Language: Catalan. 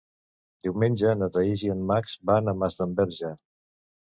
Diumenge na Thaís i en Max van a Masdenverge.